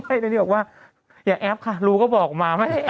แอบที่บอกว่าอย่าแอบค่ะรูก็บอกมาไม่ได้แอบ